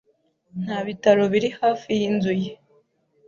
Nta bitaro biri hafi y'inzu ye.